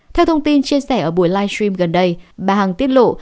theo thông tin chia sẻ ở buổi live stream gần đây bà hằng tiết lộ